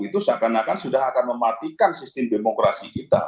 itu seakan akan sudah akan mematikan sistem demokrasi kita